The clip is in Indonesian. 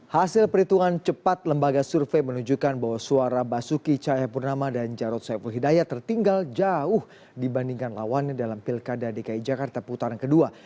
hasil perhitungan cepat lembaga survei menunjukkan bahwa suara basuki cahayapurnama dan jarod saiful hidayat tertinggal jauh dibandingkan lawannya dalam pilkada dki jakarta putaran kedua